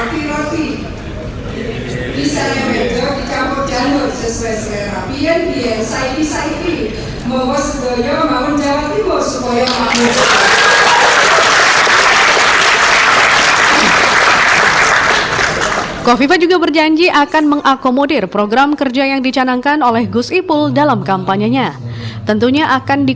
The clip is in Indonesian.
beran beran roti roti disayang bejo dicampur janggut sesuai suai rapian biensai bisaiki monggo seboyo bangun jawa timur seboyo bangun jawa timur